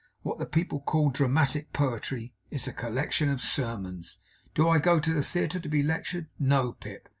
What the people call dramatic poetry is a collection of sermons. Do I go to the theatre to be lectured? No, Pip.